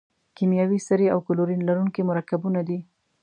کیمیاوي سرې او کلورین لرونکي مرکبونه دي.